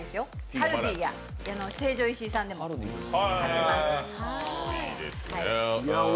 カルディや成城石井さんでも買ってます。